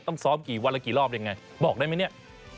ต้องซ้อมกี่วันละกี่รอบยังไงบอกได้ไหมเนี่ย